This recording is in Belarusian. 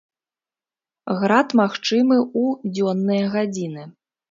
Град магчымы ў дзённыя гадзіны.